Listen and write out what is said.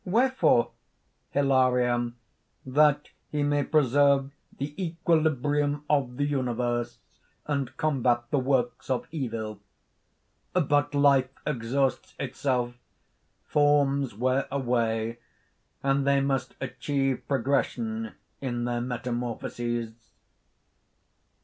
"Wherefore?" HILARION. "That he may preserve the equilibrium of the universe, and combat the works of evil. But life exhausts itself; forms wear away; and they must achieve progression in their metamorphoses."